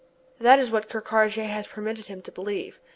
That is what Ker Karraje has permitted him to believe.